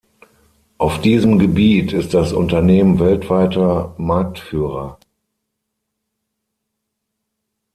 Auf diesem Gebiet ist das Unternehmen weltweiter Marktführer.